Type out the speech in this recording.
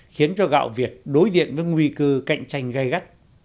khiến cho gạo việt đối diện với nguy cư cạnh tranh gai gắt